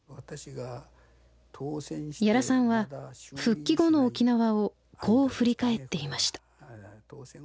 屋良さんは復帰後の沖縄をこう振り返っていました。